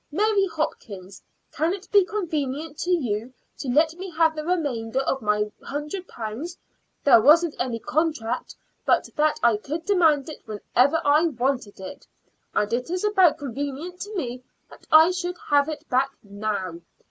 Mary Hopkins, can it be convenient to you to let me have the remainder of my hundred pounds? There wasn't any contract but that I could demand it whenever I wanted it, and it is about convenient to me that I should have it back now.